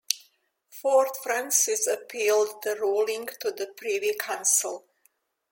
Fort Frances appealed the ruling to the Privy Council.